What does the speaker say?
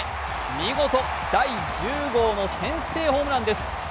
見事、第１０号の先制ホームランです